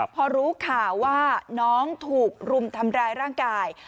พอรู้ข่าวว่าน้องถูกรุมทำร้ายร่างกาย